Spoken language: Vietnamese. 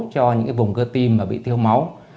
cho những cái vùng cơ tim mà bị thiêu máu